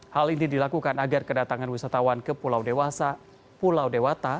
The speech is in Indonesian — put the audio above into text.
hal ini dilakukan agar kedatangan wisatawan ke pulau dewasa pulau dewata